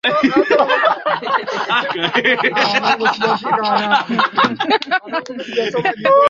linawakilishwa na Wajumbe wafuatao Mameya tano